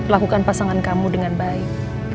lakukan pasangan kamu dengan baik